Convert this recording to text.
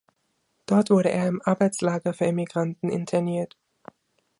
Dort wurde er im Arbeitslager für Emigranten interniert.